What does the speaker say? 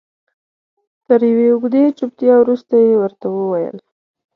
تر یوې اوږدې چوپتیا وروسته یې ورته وویل.